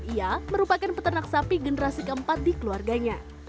ia merupakan peternak sapi generasi keempat di keluarganya